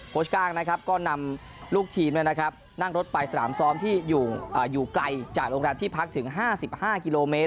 ก้างนะครับก็นำลูกทีมนั่งรถไปสนามซ้อมที่อยู่ไกลจากโรงแรมที่พักถึง๕๕กิโลเมตร